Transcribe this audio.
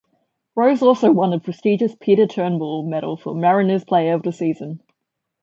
Rose also won the prestigious Peter Turnbull medal for Mariners player of the season.